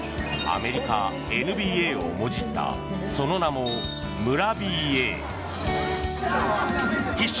アメリカ、ＮＢＡをもじったその名も村ＢＡ。